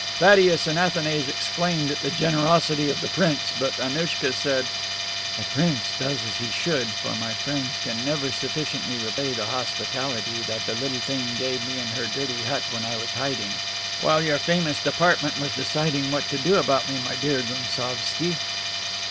Thaddeus and Athanase exclaimed at the generosity of the prince, but Annouchka said: "The prince does as he should, for my friends can never sufficiently repay the hospitality that that little thing gave me in her dirty hut when I was in hiding, while your famous department was deciding what to do about me, my dear Gounsovski."